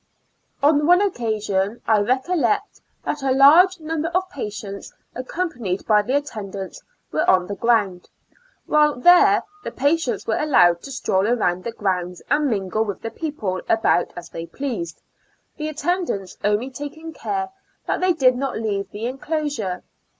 On one occasion, I recollect that a large number of patients accompanied by the attendants were on the ground. While there, the patients were allowed to stroll around the grounds and mingle with the people about as thej pleased, the attendants only taking care that they did not leave the inclosure.